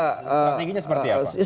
strateginya seperti apa